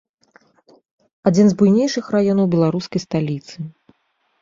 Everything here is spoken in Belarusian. Адзін з буйнейшых раёнаў беларускай сталіцы.